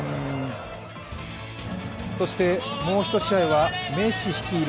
そして、もう一試合はメッシ率いる